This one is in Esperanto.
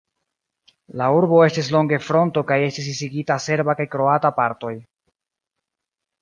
La urbo estis longe fronto kaj estis disigita serba kaj kroata partoj.